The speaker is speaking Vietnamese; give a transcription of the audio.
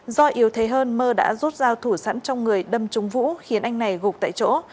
do yếu thế hơn mơ đã rút dao thủ sẵn trong người đâm trúng vũ khiến anh này gục tại chỗ